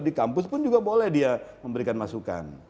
di kampus pun juga boleh dia memberikan masukan